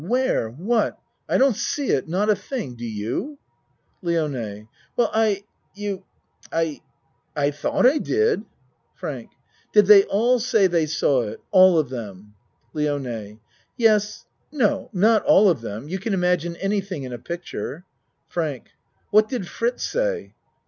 Where? What? I don't see it. Not a thing. Do you ? LIONE Well I you I I tho't I did. FRANK Did they all say they saw it? All of them? LIONE Yes no, not all of them. You can im agine anything in a picture. FRANK What did Fritz say?